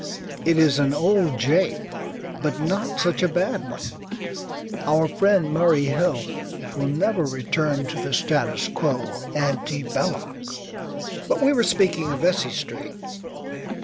It is an old jape but not such a bad one: our friend Murray Hill will never return to the status quo ante Belloc. But we were speaking of Vesey Street.